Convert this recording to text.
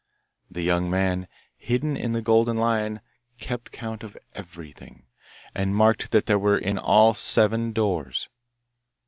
The young man, hidden in the golden lion, kept count of everything, and marked that there were in all seven doors.